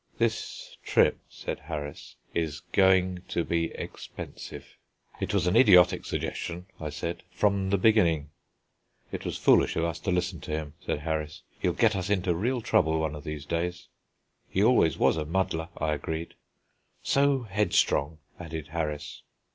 "This trip," said Harris, "is going to be expensive." "It was an idiotic suggestion," I said, "from the beginning." "It was foolish of us to listen to him," said Harris; "he'll get us into real trouble one of these days." "He always was a muddler," I agreed. "So headstrong," added Harris.